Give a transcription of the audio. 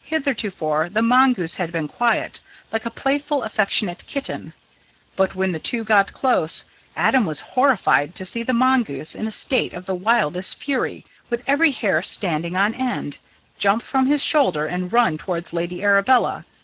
Hitherto the mongoose had been quiet, like a playful affectionate kitten; but when the two got close, Adam was horrified to see the mongoose, in a state of the wildest fury, with every hair standing on end, jump from his shoulder and run towards Lady Arabella.